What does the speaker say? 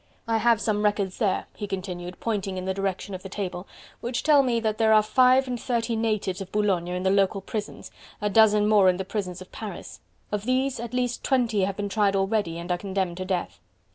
I have some records there," he continued, pointing in the direction of the table, "which tell me that there are five and thirty natives of Boulogne in the local prisons, a dozen more in the prisons of Paris; of these at least twenty have been tried already and are condemned to death.